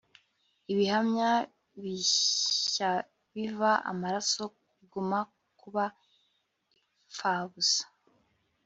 Ibihamya bishyabiva amaraso biguma kuba impfabusa